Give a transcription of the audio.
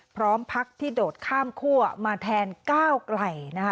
พร้อมพลักษณ์ที่โดดข้ามคั่วมาแทนก้าวไกล